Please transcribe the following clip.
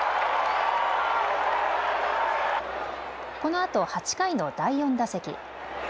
このあと８回の第４打席。